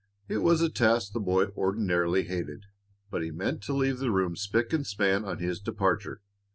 It was a task the boy ordinarily hated, but he meant to leave the room spick and span on his departure.